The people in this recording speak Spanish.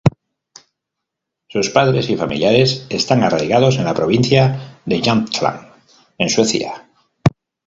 Sus padres y familiares están arraigados en la provincia de Jämtland en Suecia.